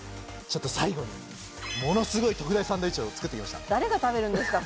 ちょっと最後にものすごい特大サンドイッチを作ってきました誰が食べるんですか